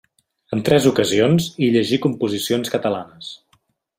En tres ocasions, hi llegí composicions catalanes.